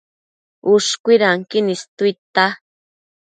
Ushcuidanquin istuidtia